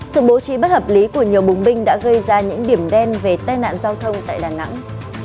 sự bố trí bất hợp lý của nhiều bùng binh đã gây ra những điểm đen về tai nạn giao thông tại đà nẵng